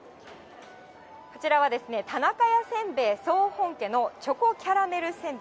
こちらはですね、田中屋せんべい総本家の、チョコキャラメル煎餅。